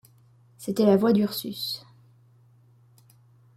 C’était la voix d’Ursus.